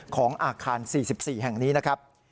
ของอาคาร๔๔แห่งนี้นะครับ